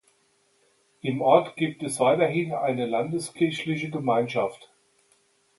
Im Ort gibt es weiterhin eine Landeskirchliche Gemeinschaft.